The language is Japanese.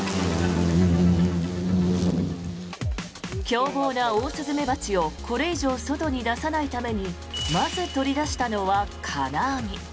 凶暴なオオスズメバチをこれ以上外に出さないためにまず、取り出したのは金網。